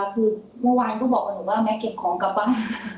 คือเมื่อวานก็บอกกับหนูว่าแม่เก็บของกลับบ้าน